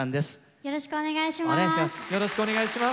よろしくお願いします。